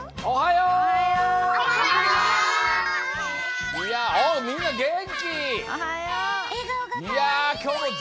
おはよう！